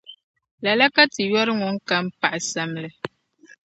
Lala ka Ti yɔri ŋuŋ kam paɣi samli.